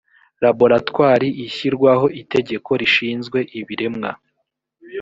laboratwari ishyirwaho itegeko rishinzwe ibiremwa